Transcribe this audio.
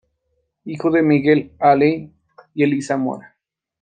Hijo de Miguel Halley y Elisa Mora.